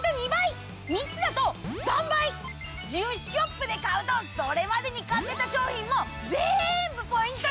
１０ショップで買うとそれまでに買ってた商品もぜんぶポイント